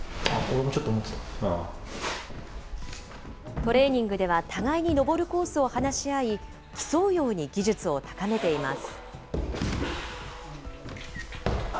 トレーニングでは互いに登るコースを話し合い、競うように技術を高めています。